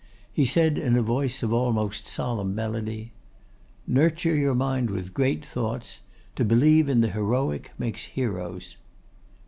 He said in a voice of almost solemn melody: 'Nurture your mind with great thoughts. To believe in the heroic makes heroes.